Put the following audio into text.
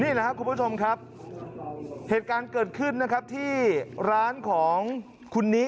นี่แหละครับคุณผู้ชมครับเหตุการณ์เกิดขึ้นนะครับที่ร้านของคุณนี้